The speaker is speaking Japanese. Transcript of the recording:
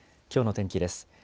きょうの天気です。